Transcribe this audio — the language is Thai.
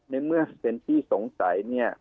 ในเมื่อเป็นที่สงสัยเนี่ย